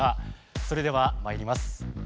それではまいります。